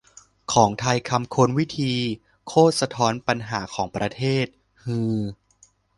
ของไทยคำค้น "วิธี" โคตรสะท้อนปัญหาของประเทศ ฮือ